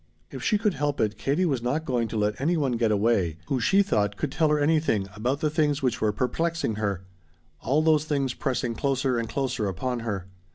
If she could help it, Katie was not going to let any one get away who she thought could tell her anything about the things which were perplexing her all those things pressing closer and closer upon her.